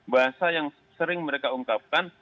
bahasa yang sering mereka ungkapkan